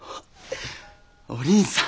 お倫さん！